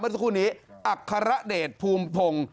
อัคคาระเดชภูมิผ่ง